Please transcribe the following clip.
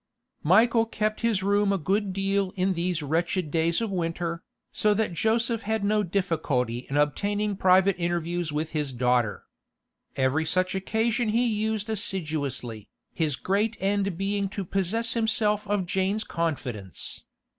Michael kept his room a good deal in these wretched days of winter, so that Joseph had no difficulty in obtaining private interviews with his daughter. Every such occasion he used assiduously, his great end being to possess himself of Jane's confidence.